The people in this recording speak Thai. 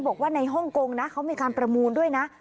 บอกว่าในฮ่องกงนะเขามีการประมูลด้วยนะ